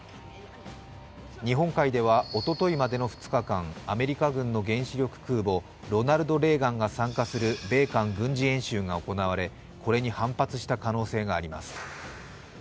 日本海では、おとといまでの２日間、アメリカ軍の原子力空母「ロナルド・レーガン」が参加する米韓軍事演習が行われこれに反発した可能性があります。